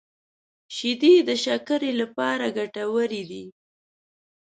شیدې د شکر لپاره ګټورې دي